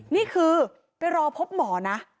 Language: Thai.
นี่คือไปรอพบหมอนะ